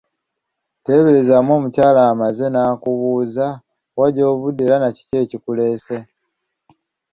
Teeberezaamu omukyala amaze na kubuuza wa gy'ovudde era nakiki ekikuleese.